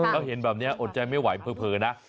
แล้วเห็นแบบนี้อดใจไม่ไหวเผลอนะ